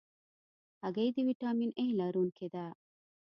هګۍ د ویټامین A لرونکې ده.